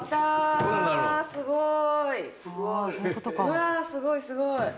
うわすごいすごい。